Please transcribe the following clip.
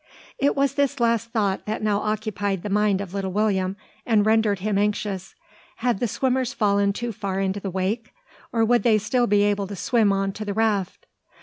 It was this last thought that now occupied the mind of little William, and rendered him anxious. Had the swimmers fallen too far into the wake? Or would they still be able to swim on to the raft?